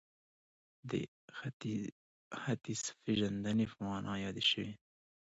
دا ختیځپېژندنې په نامه یادې شوې